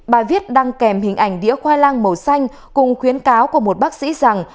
bài viết đăng kèm hình ảnh đĩa khoai lang màu xanh cùng khuyến cáo của một bác sĩ rằng